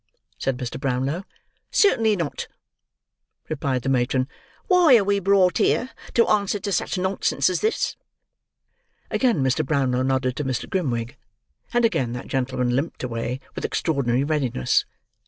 said Mr. Brownlow. "Certainly not," replied the matron. "Why are we brought here to answer to such nonsense as this?" Again Mr. Brownlow nodded to Mr. Grimwig; and again that gentleman limped away with extraordinary readiness.